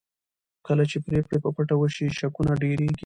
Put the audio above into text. کله چې پرېکړې په پټه وشي شکونه ډېرېږي